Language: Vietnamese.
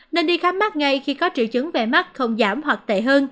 nên đi khám mắt ngay khi có triệu chứng về mắt không giảm hoặc tệ hơn